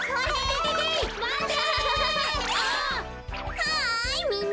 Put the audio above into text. はいみんな！